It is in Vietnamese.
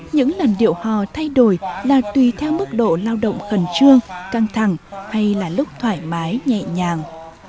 những làn điệu hò thay đổi là tùy theo mức độ lao động khẩn trương căng thẳng hay là lúc thoải mái nhẹ nhàng